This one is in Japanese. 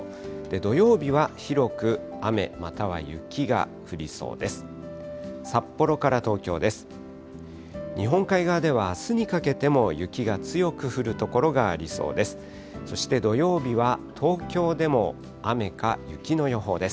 土曜日は広く雨、または雪が降りそうです。